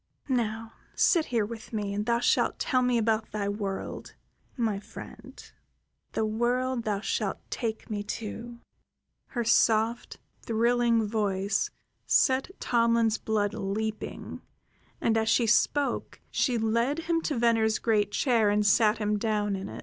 "Now sit here with me, and thou shalt tell me about thy world, my friend, the world thou shalt take me to." Her soft, thrilling voice set Tomlin's blood leaping; and as she spoke she led him to Venner's great chair and sat him down in it.